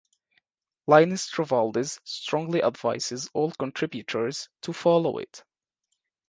Linus Torvalds strongly advises all contributors to follow it.